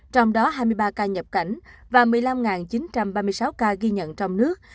trong đó hai mươi ba ca nhập cảnh và một mươi năm chín trăm ba mươi sáu ca ghi nhận trong nước